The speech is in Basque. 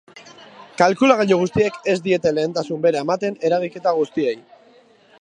Kalkulagailu guztiek ez diete lehentasun bera ematen eragiketa guztiei.